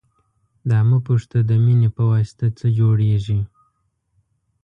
دا مه پوښته د مینې پواسطه څه جوړېږي.